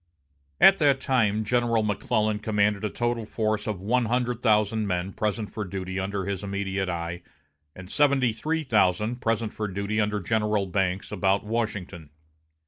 At that time General McClellan commanded a total force of one hundred thousand men present for duty under his immediate eye, and seventy three thousand present for duty under General Banks about Washington.